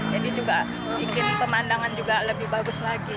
jadi juga bikin pemandangan juga lebih bagus lagi